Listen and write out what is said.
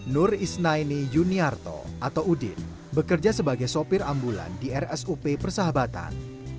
nur isnai niunyarto atau udin bekerja sebagai supir ambulan di rsup persahabatan